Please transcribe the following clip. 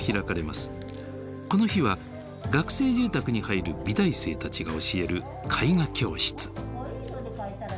この日は学生住宅に入る美大生たちが教える絵画教室。